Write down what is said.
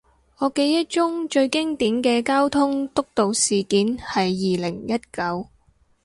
我記憶中最經典嘅交通督導事件係二零一九